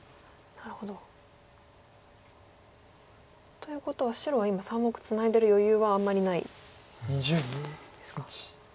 なるほど。ということは白は今３目ツナいでる余裕はあんまりないですか。